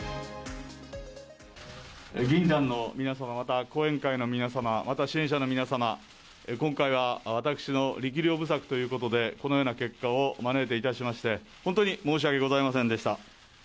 議員団の皆様、また後援会の皆様、また支援者の皆様、今回は私の力量不足ということで、このような結果を招いてしまいまして、本当に申し訳ございませんでした。